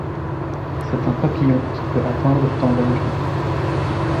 C'est un papillon qui peut atteindre d'envergure.